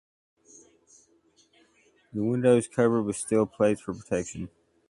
The windows covered with steel plates for protection.